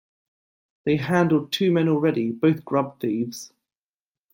They handled two men already, both grub-thieves.